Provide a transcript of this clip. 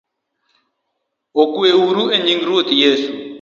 Okweuru enying Ruoth Yesu